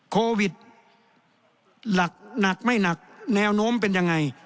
โควิดหนักไม่หนักแนวโน้มเป็นยังไง